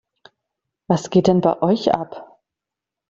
Was geht denn bei euch ab?